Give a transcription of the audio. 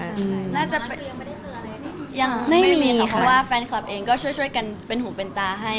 น่าจะยังไม่มีค่ะเพราะว่าแฟนคลับเองก็ช่วยกันเป็นหูเป็นตาให้